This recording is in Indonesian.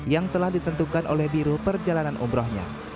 yang telah ditentukan oleh biro perjalanan umrohnya